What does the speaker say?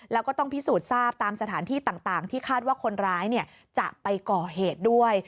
แล้วก็ต้องพิสูจน์ทราบตามสถานที่ต่างที่คาดว่าคนร้ายจะไปก่อเหตุด้วย